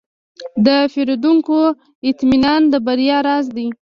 د پیرودونکو اطمینان د بریا راز دی.